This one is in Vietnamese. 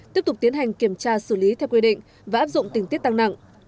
tiếp tục tiến hành kiểm tra xử lý theo quy định và áp dụng tình tiết tăng nặng